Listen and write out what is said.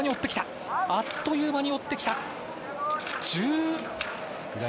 あっという間に追ってきた。